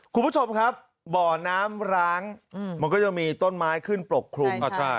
คุณผู้ชมครับบ่อน้ำร้างมันก็ยังมีต้นไม้ขึ้นปกคลุม